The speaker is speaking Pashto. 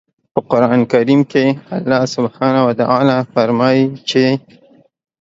په قرآن کریم کې الله سبحانه وتعالی فرمايي چې